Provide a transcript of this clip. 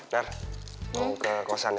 nar mau ke kosan ya